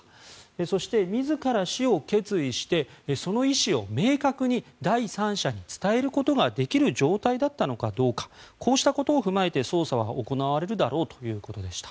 そして自ら死を決意してその意思を明確に第三者に伝えることができる状態だったのかどうかこうしたことを踏まえて捜査は行われるだろうということでした。